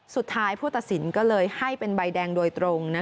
สุดท้ายผู้ตัดสินก็เลยให้เป็นใบแดงโดยตรง